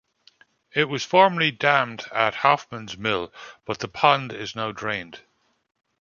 It was formerly dammed at Hoffman's Mill, but the pond is now drained.